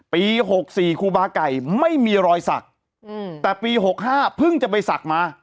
ปีหกสี่ครูบาไก่ไม่มีรอยสักอืมแต่ปีหกห้าเพิ่งจะไปสักมา